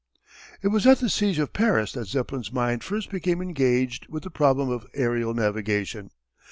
It was at the siege of Paris that Zeppelin's mind first became engaged with the problem of aërial navigation.